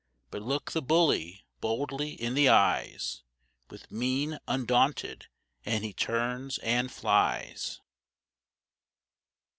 But look the bully boldly in the eyes, With mien undaunted, and he turns and flies.